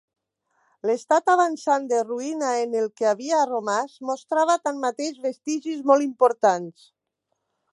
L'estat avançat de ruïna en què havia romàs mostrava tanmateix vestigis molt importants.